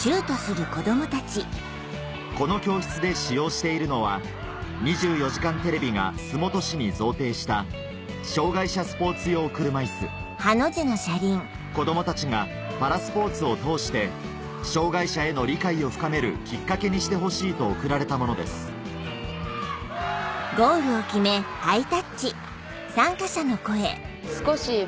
この教室で使用しているのは『２４時間テレビ』が洲本市に贈呈した障がい者スポーツ用車いす子供たちがパラスポーツを通して障がい者への理解を深めるきっかけにしてほしいと贈られたものですイェイ！